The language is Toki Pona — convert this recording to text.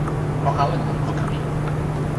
o awen lon poka mi.